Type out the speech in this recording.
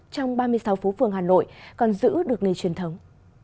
trong ba mươi sáu phố phường hà nội còn giữ được nghề truyền thống